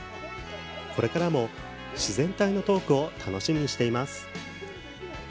これからも自然体なトークを楽しみにしています！